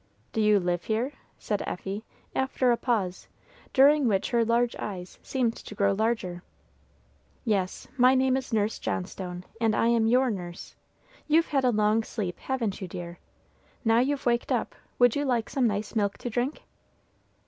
"Do you live here?" said Effie, after a pause, during which her large eyes seemed to grow larger. "Yes. My name is Nurse Johnstone, and I am your nurse. You've had a long sleep, haven't you, dear? Now you've waked up, would you like some nice milk to drink?"